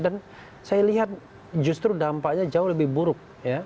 dan saya lihat justru dampaknya jauh lebih buruk